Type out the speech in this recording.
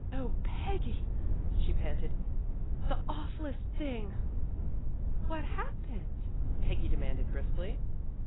" 0, Peggy!" she panted. "The awfullest thing! "" What's happened? " Peggy demanded briskly.